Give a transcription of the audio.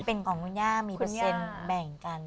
เป็นของคุณย่ามีเปอร์เซ็นต์แบ่งกัน